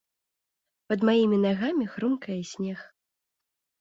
Пад маімі нагамі хрумкае снег.